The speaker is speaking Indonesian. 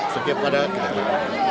setiap pada kejadian